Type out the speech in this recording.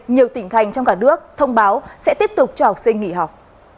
nhiều tỉnh thành trong cả nước thông báo sẽ tiếp tục cho học sinh nghỉ học